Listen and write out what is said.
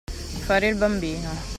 Fare il bambino.